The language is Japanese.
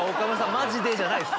マジで⁉じゃないです。